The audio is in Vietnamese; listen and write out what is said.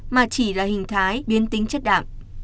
mà chỉ là hình thái biến tính chất đạm